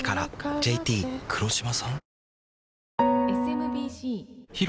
ＪＴ黒島さん？